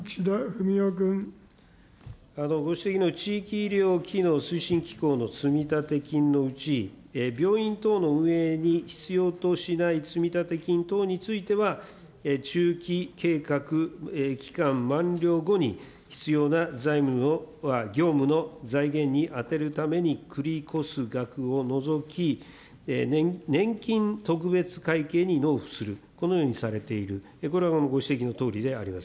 ご指摘の地域医療機能推進機構の積立金のうち、病院等の運営に必要としない積立金等については、中期計画期間満了後に、必要な財務、業務の財源に充てるために繰り越す額を除き、年金特別会計に納付する、このようにされている、これはご指摘のとおりであります。